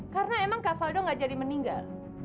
karena emang kak faldo nggak jadi meninggal